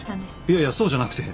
いやいやそうじゃなくて。